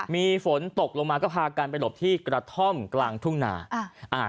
มีฝนตกลงมาก็พากันไปหลบที่กระท่อมกลางทุ่งนาอ่า